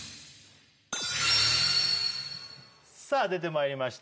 さあ出てまいりました